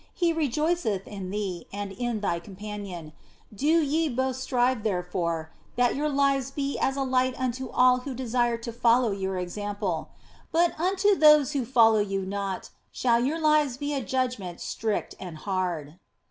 He rejoiceth in thee and in thy companion. Do ye both strive, therefore, that your lives be as a light unto all who desire to follow your OF FOLIGNO 197 example ; but unto those who follow you not, shall your lives be as a judgment strict and hard."